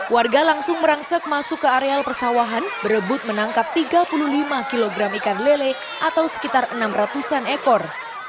warga langsung merangsek masuk ke areal persawahan berebut menangkap tiga puluh lima kg ikan lele atau sekitar enam ratus an ekor